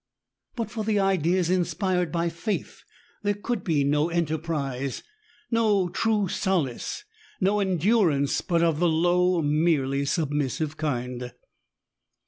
But for the ideas inspired by Faith, there could be no enter prise^ no true solace, no endurance but of the low, merely submissive kind.